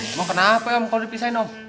emang kenapa om kalau dipisahin om